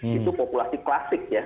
itu populasi klasik ya